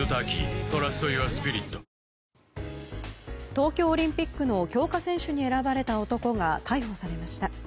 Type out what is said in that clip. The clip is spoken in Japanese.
東京オリンピックの強化選手に選ばれた男が逮捕されました。